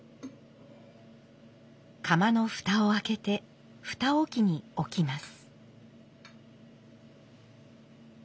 釜の蓋を開けて蓋置に置きます。